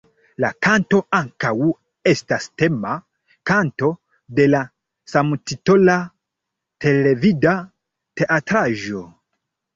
La kanto ankaŭ estas tema kanto de la samtitola televida teatraĵo.